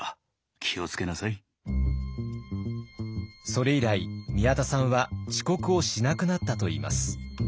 それ以来宮田さんは遅刻をしなくなったといいます。